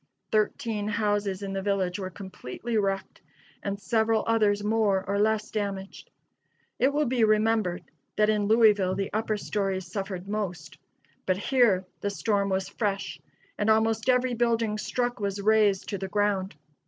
Thirteen houses in the village were completely wrecked, and several others more or less damaged. It will be remembered that in Louisville the upper stories suffered most: but here the storm was fresh, and almost every building struck was razed to the ground.